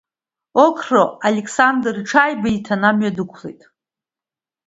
Оқро-Алеқсандр иҽааибиҭан амҩа дықәлеит.